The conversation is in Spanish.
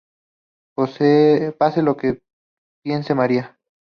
Pese a lo que piense María